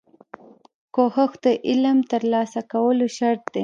کوښښ د علم ترلاسه کولو شرط دی.